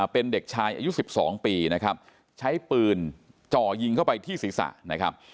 เป็นเด็กชายอายุ๑๒ปีใช้ปืนจ่อยิงเข้าไปที่ศีรษะ